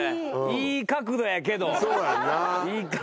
いい角度やけどこれ。